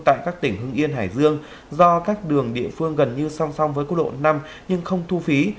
tại các tỉnh hưng yên hải dương do các đường địa phương gần như song song với quốc lộ năm nhưng không thu phí